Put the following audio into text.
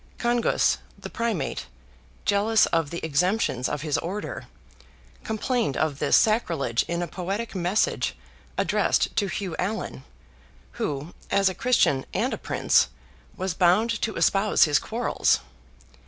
Congus, the Primate, jealous of the exemptions of his order, complained of this sacrilege in a poetic message addressed to Hugh Allan, who, as a Christian and a Prince, was bound to espouse his quarrels.